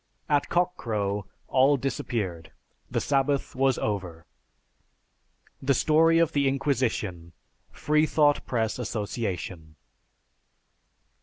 At cock crow, all disappeared; the sabbath was over." (_"The Story of the Inquisition" Freethought Press Association.